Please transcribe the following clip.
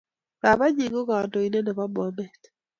Babat nyin kokandoindet nebo Bomet